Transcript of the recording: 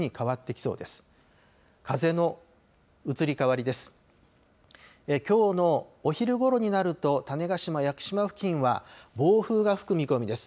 きょうのお昼ごろになると、種子島・屋久島付近は暴風が吹く見込みです。